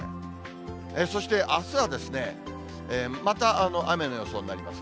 そして、あすはですね、また雨の予想になります。